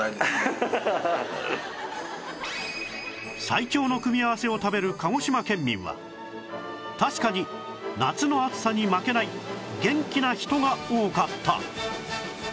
最強の組み合わせを食べる鹿児島県民は確かに夏の暑さに負けない元気な人が多かった